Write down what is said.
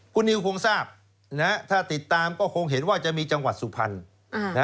คุณนิวคงทราบถ้าติดตามก็คงเห็นว่าจะมีจังหวัดสุพรรณ